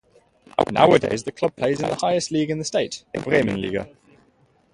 Nowadays the club plays in the highest league in the state, the Bremen-Liga.